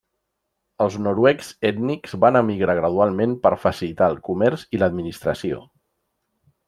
Els noruecs ètnics van emigrar gradualment per facilitar el comerç i l'administració.